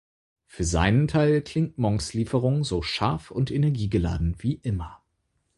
Für seinen Teil klingt Monks Lieferung so scharf und energiegeladen wie immer.